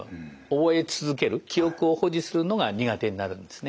覚え続ける記憶を保持するのが苦手になるんですね。